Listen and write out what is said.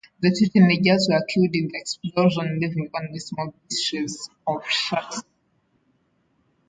The two teenagers were killed in the explosion leaving only small pieces of shirts.